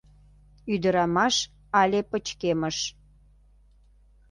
Ӱдырамаш але пычкемыш.